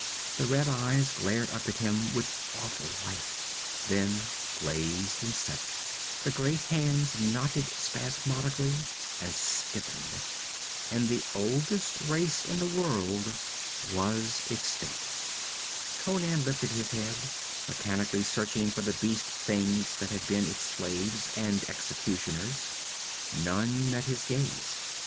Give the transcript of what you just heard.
The red eyes glared up at him with awful life, then glazed and set; the great hands knotted spasmodically and stiffened. And the oldest race in the world was extinct. Conan lifted his head, mechanically searching for the beast things that had been its slaves and executioners. None met his gaze.